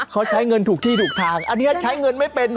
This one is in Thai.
เขาใช้เงินถูกที่ถูกทางอันนี้ใช้เงินไม่เป็น